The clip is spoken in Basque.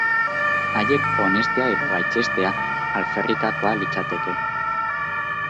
Haiek onestea edo gaitzestea alferrikakoa litzateke.